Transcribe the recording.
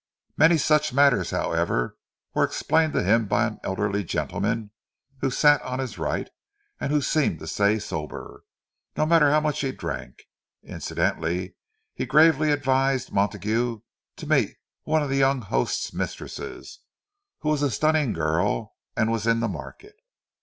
Many such matters, however, were explained to him by an elderly gentleman who sat on his right, and who seemed to stay sober, no matter how much he drank. Incidentally he gravely advised Montague to meet one of the young host's mistresses, who was a "stunning" girl, and was in the market.